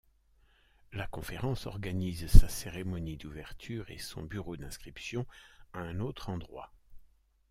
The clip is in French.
La conférence organise sa cérémonie d’ouverture et son bureau d’inscription à un autre endroit.